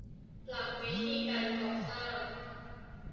หลักวิธีการก่อสร้าง